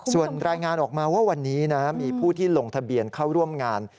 ส่วนรายงานออกมาว่าวันนี้นะมีผู้ที่ลงทะเบียนเข้าร่วมงาน